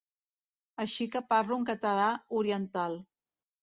Així que parlo en català oriental.